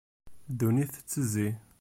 Ddunit tettezzi.